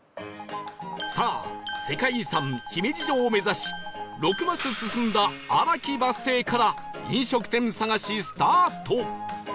さあ世界遺産姫路城を目指し６マス進んだ荒木バス停から飲食店探しスタート！